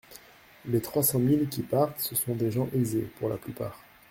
Les trois cent mille qui partent, ce sont des gens aisés, pour la plupart.